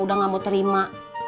udah nggak mau terima